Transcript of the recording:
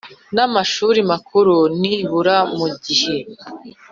n amashuri makuru nibura mu gihe